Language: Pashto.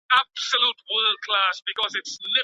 ولي کوښښ کوونکی د وړ کس په پرتله موخي ترلاسه کوي؟